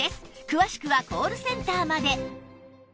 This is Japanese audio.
詳しくはコールセンターまで